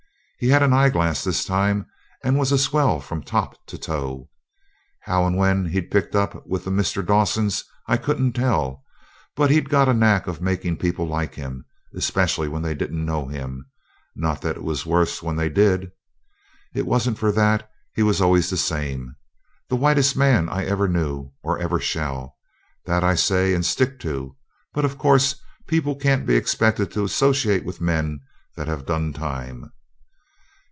He had an eyeglass this time, and was a swell from top to toe. How and when he'd picked up with the Mr. Dawsons I couldn't tell; but he'd got a knack of making people like him especially when they didn't know him. Not that it was worse when they did. It wasn't for that. He was always the same. The whitest man I ever knew, or ever shall that I say and stick to but of course people can't be expected to associate with men that have 'done time'.